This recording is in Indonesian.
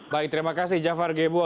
baik terima kasih jafar gebo